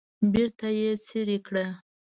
بیرته یې څیرې کړه.